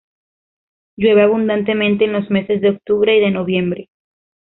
Llueve abundantemente en los meses de octubre y de noviembre.